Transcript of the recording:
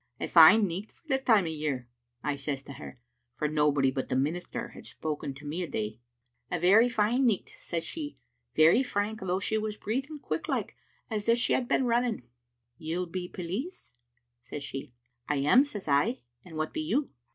" 'A fine nicht for the time o' year,* I says to her, for nobody but the minister had spoken to me a' day. " *A very fine nicht,' says she, very frank, though she was breathing quick like as if she had been running. 'You'll be police?' says she. "*I am,' says I, *and wha be you?'